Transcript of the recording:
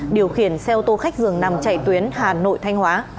điều khiển xe ô tô khách dường nằm chạy tuyến hà nội thanh hóa